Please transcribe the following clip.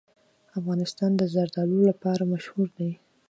افغانستان د زردالو لپاره مشهور دی.